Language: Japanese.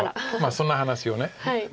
そんな話を。